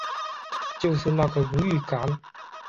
就是那个荣誉感